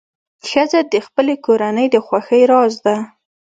ښځه د خپلې کورنۍ د خوښۍ راز ده.